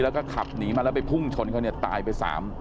แล้วก็ขับหนีมาแล้วพุ่งชนเขาตายไปสาม